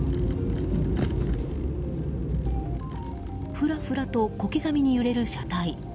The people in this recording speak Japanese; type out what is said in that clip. ふらふらと小刻みに揺れる車体。